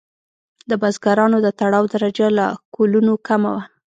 د بزګرانو د تړاو درجه له کولونو کمه وه.